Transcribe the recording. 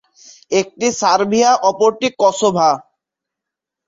একটি সার্বিয়া অপরটি কসোভো।